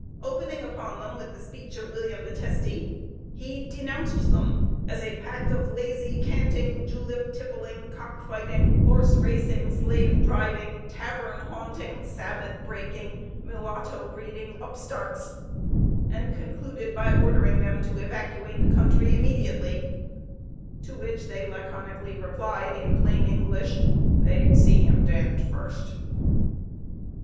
Opening upon them with the speech of William the Testy, he denounced them as a pack of lazy, canting, julep tippling, cock fighting, horse racing, slave driving, tavern haunting, Sabbath breaking, mulatto breeding upstarts: and concluded by ordering them to evacuate the country immediately; to which they laconically replied in plain English, "They'd see him d d first!"